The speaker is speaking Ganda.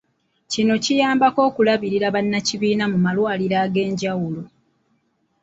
Kino kiyambeko okulabirira bannakibiina mu malwaliro ag'enjawulo.